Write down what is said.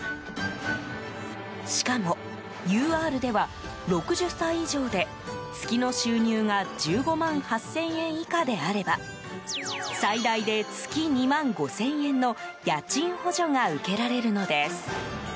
しかも、ＵＲでは６０歳以上で月の収入が１５万８０００円以下であれば最大で月２万５０００円の家賃補助が受けられるのです。